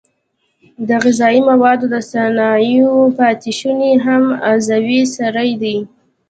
د غذایي موادو د صنایعو پاتې شونې هم عضوي سرې دي.